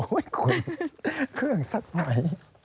โอ้ยคุณเครื่องซักหอย